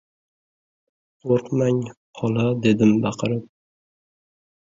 — Qo‘rqmang, xola! — dedim baqirib.